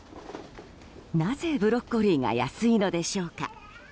なぜブロッコリーが安いのでしょうか。